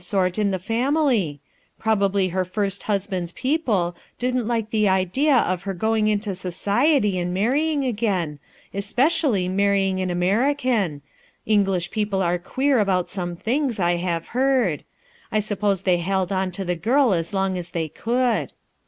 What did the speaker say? ort family Probably her first husband's n mh didn't like the idea of her going into society L\ marrying again, especially marrying m Ameri can ; English people are queer about some things I have heard; I suppose they held on to the girl as long a3 they could."